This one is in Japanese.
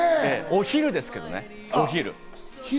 お昼ですけどね。